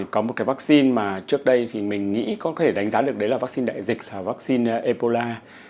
có một cái vaccine mà trước đây mình nghĩ có thể đánh giá được là vaccine đại dịch vaccine ebola